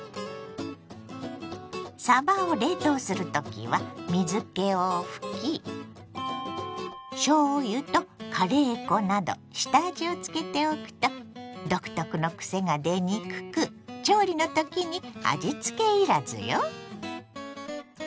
さばを冷凍する時は水けを拭きしょうゆとカレー粉など下味をつけておくと独特のくせが出にくく調理の時に味つけ要らずよ。